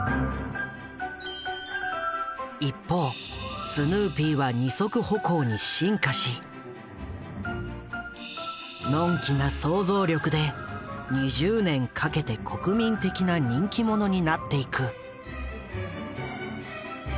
一方スヌーピーは２足歩行に進化しのんきな想像力で２０年かけて国民的な人気者になっていく。